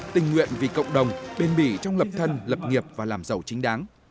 tình nguyện vì cộng đồng bền bỉ trong lập thân lập nghiệp và làm giàu chính đáng